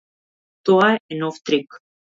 Тоа е нов трик.